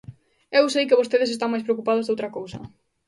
Eu sei que vostedes están máis preocupados doutra cousa.